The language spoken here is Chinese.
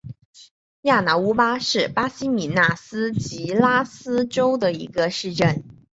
雅纳乌巴是巴西米纳斯吉拉斯州的一个市镇。